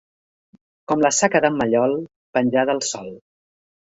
Com la saca d'en Mallol, penjada al sol.